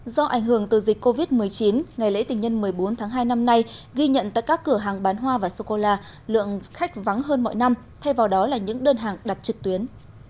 do ảnh hưởng từ dịch covid một mươi chín ngày lễ tình nhân một mươi bốn tháng hai năm nay ghi nhận tại các cửa hàng bán hoa và sô cô la lượng khách vắng hơn mọi năm thay vào đó là những đơn hàng đặt trực tuyến